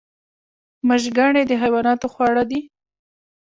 مشګڼې د حیواناتو خواړه دي